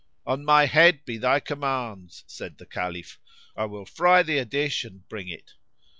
"On my head be thy commands!" said the Caliph, "I will fry thee a dish and bring it."